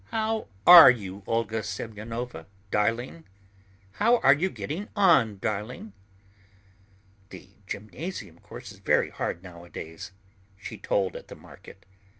"How are you, Olga Semyonovna, darling? How are you getting on, darling?" "The gymnasium course is very hard nowadays," she told at the market.